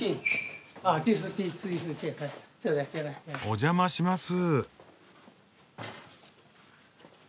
お邪魔します。